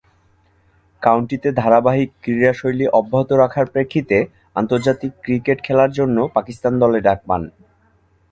কাউন্টিতে ধারাবাহিক ক্রীড়াশৈলী অব্যাহত রাখার প্রেক্ষিতে আন্তর্জাতিক ক্রিকেট খেলার জন্য পাকিস্তান দলে ডাক পান।